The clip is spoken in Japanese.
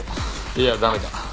いや駄目だ。